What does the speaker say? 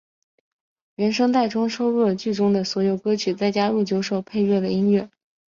原声带中收录了剧中的所有歌曲再加入九首配乐的音乐。